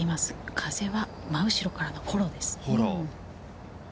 風は真後ろからのフォローです。